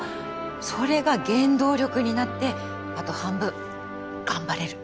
それが原動力になってあと半分頑張れる